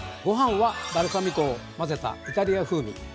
ご飯はバルサミコを混ぜたイタリア風味。